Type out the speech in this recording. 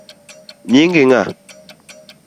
Nyingi ng’a?